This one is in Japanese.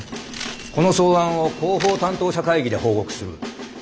この草案を広報担当者会議で報告する。